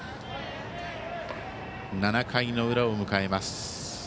７回の裏を迎えます。